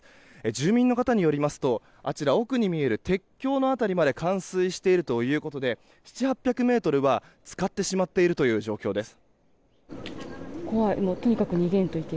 住民の方によりますと奥に見える鉄橋の辺りまで冠水しているということで７００、８００ｍは浸かってしまっているという状況です。